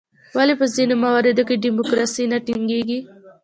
ولې په ځینو مواردو کې ډیموکراسي نه ټینګیږي؟